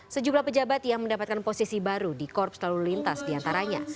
sejumlah pejabat yang mendapatkan posisi baru di korps lalu lintas diantaranya